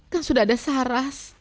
kan sudah ada saras